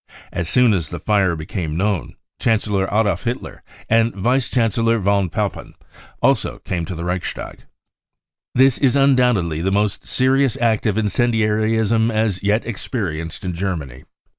As soon as the fire had become known, Chancellor Adolf Hitler and Vice Chancellor von Papen also came to the Reichstag. " This is undoubtedly the most serious act 0 of incen diarism as yet experienced in Germany.